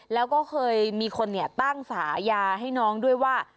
แล้วก็เคยมีคนตั้งฉายาให้น้องด้วยว่า